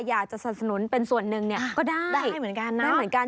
สนับสนุนเป็นส่วนหนึ่งเนี่ยก็ได้เหมือนกันนะได้เหมือนกัน